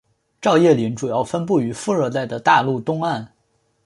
照叶林主要分布于副热带的大陆东岸。